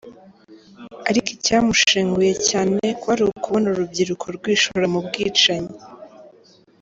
Ariko icyamushenguye cyane kwari ukubona urubyiruko rwishora mu bwicanyi.